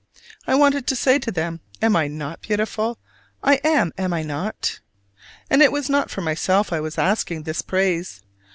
I wanted to say to them, "Am I not beautiful? I am, am I not?" And it was not for myself I was asking this praise.